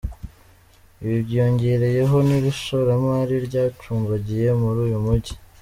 Ibi byiyongereyeho n’ishoramari ryacumbagiye muri uyu mujyi.